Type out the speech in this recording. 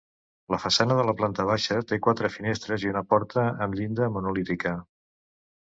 La façana de la planta baixa té quatre finestres i una porta amb llinda monolítica.